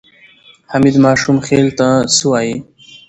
حمید ماشوخېل څه وایي؟